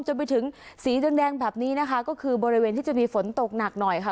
จนไปถึงสีแดงแบบนี้นะคะก็คือบริเวณที่จะมีฝนตกหนักหน่อยค่ะ